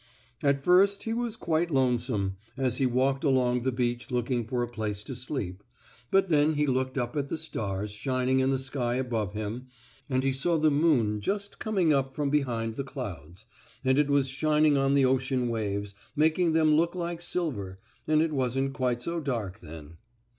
At first he was quite lonesome, as he walked along the beach looking for a place to sleep, but then he looked up at the stars shining in the sky above him, and he saw the moon just coming up from behind the clouds, and it was shining on the ocean waves, making them look like silver, and it wasn't quite so dark then.